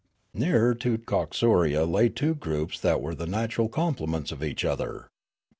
" Nearer to Coxuria lay two groups that were the natural complements of each other.